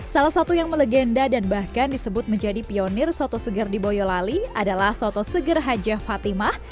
salah satu yang melegenda dan bahkan disebut menjadi pionir soto segar di boyolali adalah soto seger haja fatimah